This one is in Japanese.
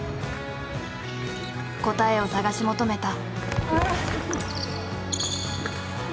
答えを探し求めた。